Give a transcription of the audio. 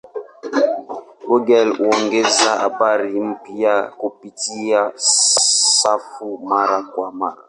Google huongeza habari mpya kupitia safu mara kwa mara.